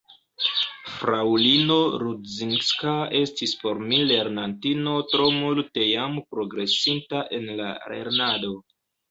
Fraŭlino Rudzinska estis por mi lernantino tro multe jam progresinta en la lernado.